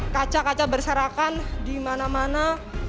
kaca kaca berserakan di mana mana